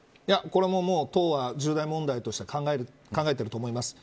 これも党は重大問題として考えてると思います。